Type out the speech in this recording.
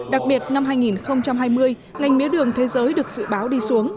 đặc biệt năm hai nghìn hai mươi ngành mía đường thế giới được dự báo đi xuống